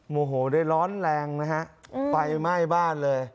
โมโหได้ร้อนแรงนะฮะไฟไหม้บ้านเลย